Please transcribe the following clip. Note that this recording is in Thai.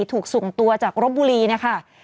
ถูกสุ่งตัวจากรบบุรีเนี่ยค่ะ